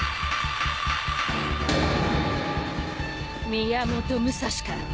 宮本武蔵か。